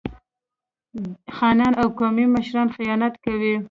خانان او قومي مشران خیانت کوي.